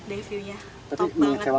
tapi mengecewakan nggak